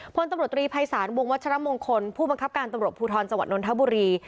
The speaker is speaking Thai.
พตรภมววมคผู้บังคับการณ์ตำรวจภูทรจนธบุรี